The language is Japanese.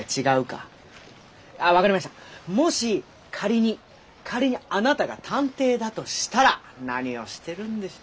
もし仮に仮にあなたが探偵だとしたら何をしてるんでしょう。